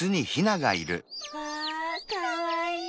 わあかわいい！